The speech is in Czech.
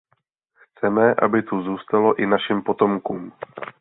Chceme, aby tu zůstalo i našim potomkům.